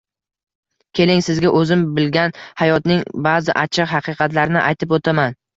Keling, sizga o’zim bilgan hayotning ba’zi achchiq haqiqatlarini aytib o’taman